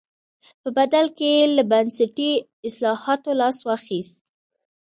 په بدل کې یې له بنسټي اصلاحاتو لاس واخیست.